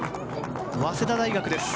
早稲田大学です。